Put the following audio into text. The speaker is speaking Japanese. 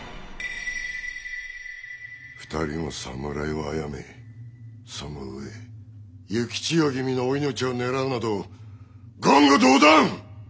２人の侍を殺めそのうえ幸千代君のお命を狙うなど言語道断！